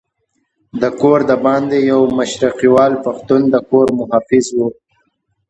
د کور دباندې یو مشرقیوال پښتون د کور محافظ وو.